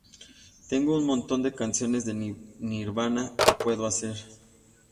Tengo un montón de canciones de Nirvana que puedo hacer.